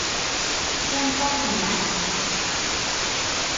Punto final".